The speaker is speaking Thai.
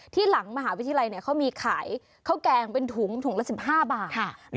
หลังมหาวิทยาลัยเขามีขายข้าวแกงเป็นถุงถุงละ๑๕บาท